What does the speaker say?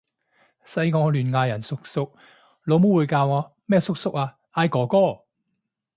細個我亂嗌人叔叔，老母會教我咩叔叔啊！嗌哥哥！